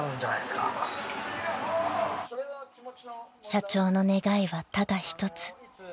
［社長の願いはただ一つ］